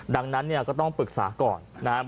ดังนั้นก็ต้องปรึกษาก่อน